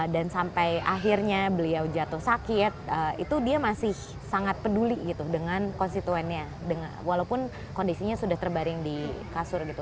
dan sampai akhirnya beliau jatuh sakit itu dia masih sangat peduli gitu dengan konstituennya walaupun kondisinya sudah terbaring di kasur gitu